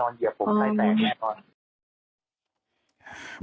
เหยียบผมสายแตกแน่นอน